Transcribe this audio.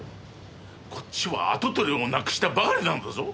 こっちは跡取りを亡くしたばかりなんだぞ。